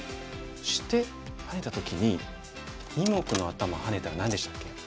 そしてハネた時に二目のアタマをハネたら何でしたっけ？